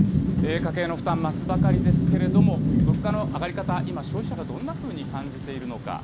家計の負担増すばかりですけれども、物価の上がり方、今、消費者がどんなふうに感じているのか。